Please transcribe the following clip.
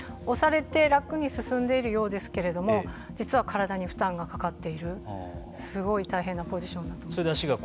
押されて楽に進んでいるようですけれども実は体に負担がかかっているすごい大変なポジションだと思います。